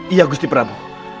iya gusti prabu